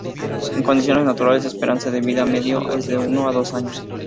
En condiciones naturales su esperanza de vida media es de uno o dos años.